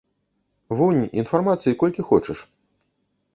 Вунь, інфармацыі колькі хочаш.